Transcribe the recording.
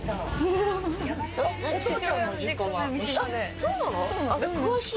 そうなの？